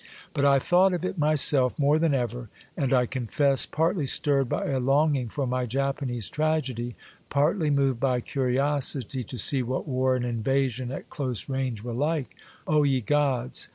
But I thought of it myself more than ever, and — I confess — partly stirred by a longing for my Japanese trag edy, partly moved by curiosity to see what war and invasion at close range were like, — O ye gods